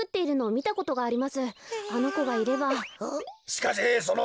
しかしその